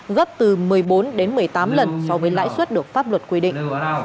gấp từ một mươi bốn đến một mươi tám lần so với lãi suất được pháp luật quy định